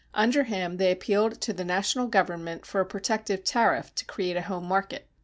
Under him they appealed to the national government for a protective tariff to create a home market.